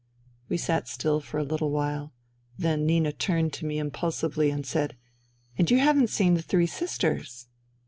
We sat still for a little while. Then Nina turned to me impulsively and said, " And you haven't seen the three sisters